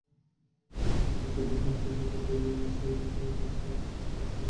আগের ছয়টি হাট মিলে এবার ডিএনসিসি এলাকায় অস্থায়ী হাটের সংখ্যা দাঁড়াল নয়টিতে।